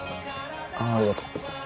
ああありがとう。